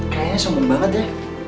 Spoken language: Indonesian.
kayaknya sungguh banget deh